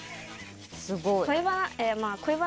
すごい。